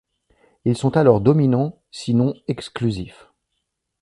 Ils sont alors dominants sinon exclusifs.